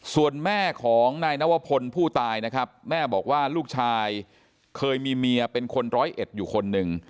ส่วนแม่ของนายนวพลผู้ตายนะครับแม่บอกว่าลูกชายเคยมีเมียเป็นคนร้อยเอ็ดอยู่คนหนึ่ง